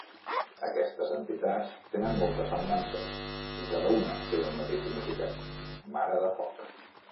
Aquestes entitats tenen moltes semblances, i cada una té el mateix significat, "mare de foc".